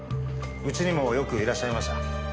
うちにもよくいらっしゃいました。